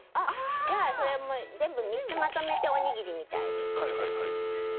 じゃあ３つまとめておにぎりみたいにしてください。